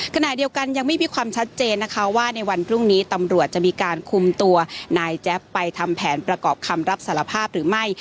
ขณะเดียวกันยังไม่มีความชัดเจนนะคะว่าในวันพรุ่งนี้ตำรวจจะมีการคุมตัวนายแจ๊บไปทำแผนประกอบคำรับสารภาพหรือไม่